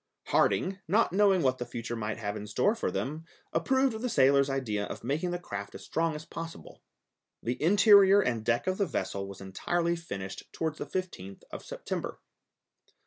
Harding, not knowing what the future might have in store for them, approved the sailor's idea of making the craft as strong as possible. The interior and deck of the vessel was entirely finished towards the 15th of September.